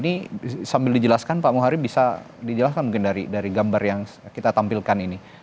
ini sambil dijelaskan pak muhari bisa dijelaskan mungkin dari gambar yang kita tampilkan ini